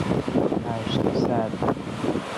هشتصد